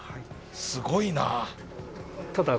すごいな。